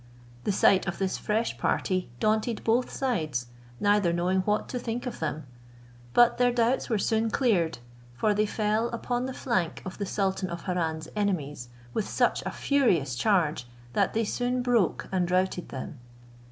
The sight of this fresh party daunted both sides, neither knowing what to think of them: but their doubts were soon cleared; for they fell upon the flank of the sultan of Harran's enemies with such a furious charge, that they soon broke and routed them.